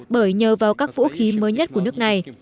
bởi nhờ vào các vũ khí mới nhất của nước này